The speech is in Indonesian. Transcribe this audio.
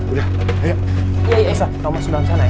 iya ya isya allah kau masuk dalam sana ya